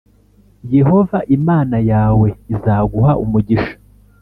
Yehova Imana yawe izaguha umugisha